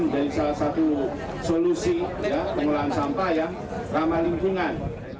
menjadi salah satu solusi pengelolaan sampah yang ramah lingkungan